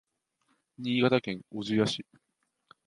新潟県小千谷市